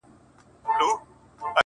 ستا غوندي اشنا لرم ،گراني څومره ښه يې ته~